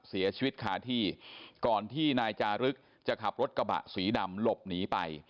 เสียชีวิตคาที่ก่อนที่นายจารึกจะขับรถกระบะสีดำหลบหนีไป